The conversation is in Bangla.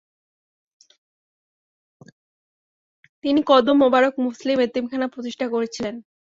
তিনি কদম মোবারক মুসলিম এতিম খানা প্রতিষ্ঠা করেছিলেন।